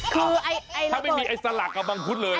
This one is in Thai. คือถ้าไม่มีไอ้สลักกับมังคุดเลย